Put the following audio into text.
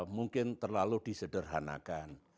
mungkin terlalu disederhanakan